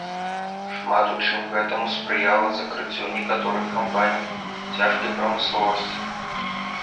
Шмат у чым гэтаму спрыяла закрыццё некаторых кампаній цяжкай прамысловасці.